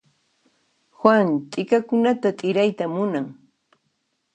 Juan t'ikakunata t'irayta munan.